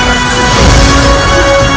aku tidak menyangka